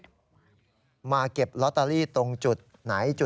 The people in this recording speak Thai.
มาเก็บลอตเตอรี่ตรงจุดไหน